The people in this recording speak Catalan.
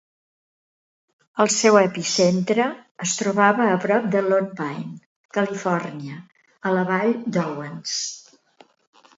El seu epicentre es trobava a prop de Lone Pine, Califòrnia, a la vall d'Owens.